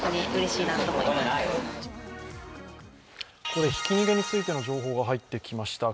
ここでひき逃げについての情報が入ってきました。